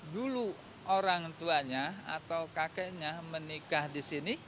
dulu orang tuanya atau kakeknya menikah di sini